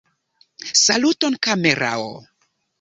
Saluton kamerao!